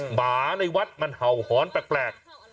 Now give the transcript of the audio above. หมาในวัดมันเห่าหอนแปลก